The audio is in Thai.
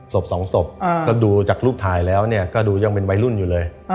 ศพสองศพก็ดูจากรูปถ่ายแล้วเนี่ยก็ดูยังเป็นวัยรุ่นอยู่เลย